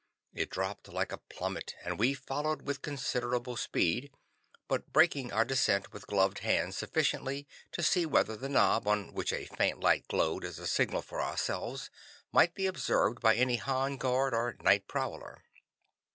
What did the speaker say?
It dropped like a plummet, and we followed with considerable speed, but braking our descent with gloved hands sufficiently to see whether the knob, on which a faint light glowed as a signal for ourselves, might be observed by any Han guard or night prowler.